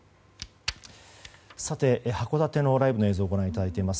函館のライブの映像をご覧いただいています。